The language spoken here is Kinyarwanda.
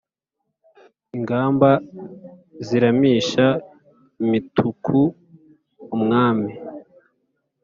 ingamba ziramisha imituku umwami